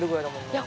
いや